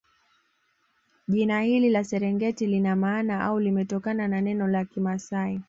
Jina hili la Serengeti lina maana au limetokana na neno la kimasai